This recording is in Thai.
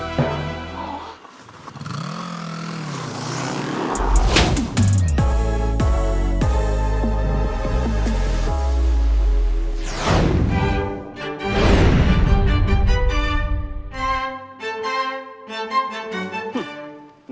โอ้โห